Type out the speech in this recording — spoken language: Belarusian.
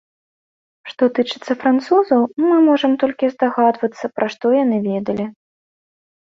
Што тычыцца французаў, мы можам толькі здагадвацца, пра што яны ведалі.